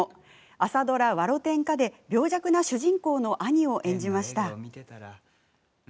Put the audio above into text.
朝ドラ「わろてんか」で病弱な主人公の兄を演じました。